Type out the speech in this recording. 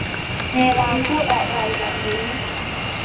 เวลาพูดอะไรแบบนี้